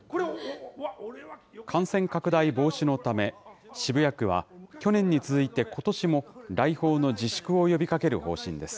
感染拡大防止のため、渋谷区は、去年に続いてことしも、来訪の自粛を呼びかける方針です。